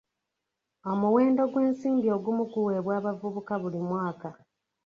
Omuwendo gw'ensimbi ogumu guweebwa abavubuka buli mwaka.